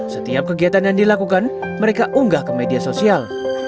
setiap kegiatan yang dilakukan mereka unggah ke media sosial